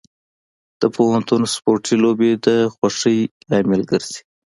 د پوهنتون سپورتي لوبې د خوښۍ لامل ګرځي.